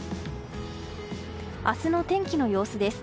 明日の天気の様子です。